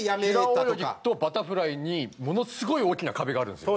平泳ぎとバタフライにものすごい大きな壁があるんですよ。